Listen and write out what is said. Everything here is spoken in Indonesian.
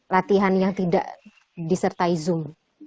latihan yang tidak disertai zoom